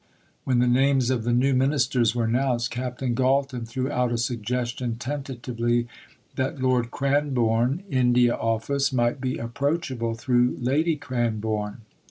When the names of the new Ministers were announced, Captain Galton threw out a suggestion tentatively that Lord Cranborne (India Office) might be approachable through Lady Cranborne.